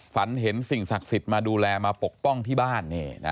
ฝันเห็นสิ่งศักดิ์สิทธิ์มาดูแลมาปกป้องที่บ้าน